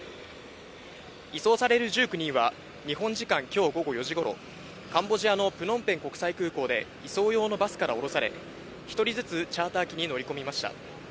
移送される１９人は、日本時間きょう午後４時ごろ、カンボジアのプノンペン国際空港で移送用のバスから降ろされ、１人ずつチャーター機に乗り込みました。